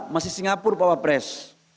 masih singapura pak wapres